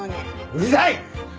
うるさい！